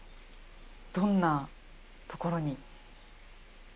どんなところに？